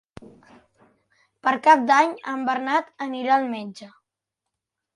Per Cap d'Any en Bernat anirà al metge.